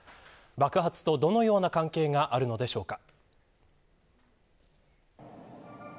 爆発とどのような関係があるのでしょうか。